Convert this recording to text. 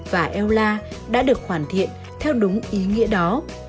và ella đã được hoàn thiện theo đúng ý nghĩa đó